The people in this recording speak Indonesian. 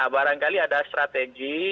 barangkali ada strategi